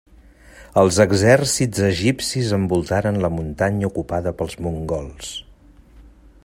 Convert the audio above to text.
Els exèrcits egipcis envoltaren la muntanya ocupada pels mongols.